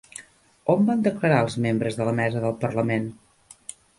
On van declarar els membres de la mesa del parlament?